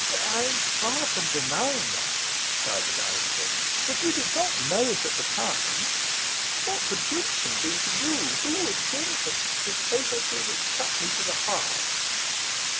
'I am far from denying that,' cried the barrister, 'but you did not know it at the time. What could Jimson be to you? Who was Jimson? Miss Hazeltine, it cut me to the heart.